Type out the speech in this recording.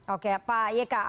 oke pak yeka